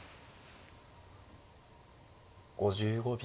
５５秒。